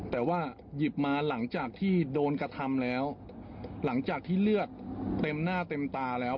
แต่ว่าหยิบมาหลังจากที่โดนกระทำแล้วหลังจากที่เลือดเต็มหน้าเต็มตาแล้ว